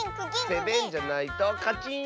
セベンじゃないとカチン！